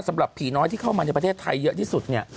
สำหรับผีน้อยที่เข้ามาในประเทศไทยเยอะที่สุดเนี่ย